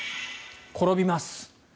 転びます。